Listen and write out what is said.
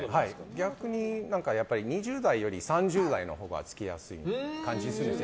逆に２０代より３０代のほうがつきやすいみたいな感じがします。